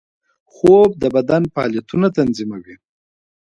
خوب د بدن فعالیتونه تنظیموي